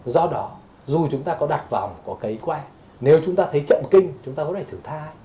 do đó dù chúng ta có đặt vòng có cấy que nếu chúng ta thấy chậm kinh chúng ta có thể thử thai